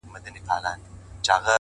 په رياضت کي ودې حد ته رسېدلی يمه-